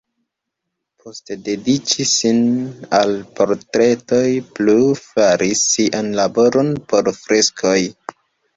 Post dediĉi sin al portretoj plu faris sian laboron por freskoj.